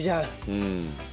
うん。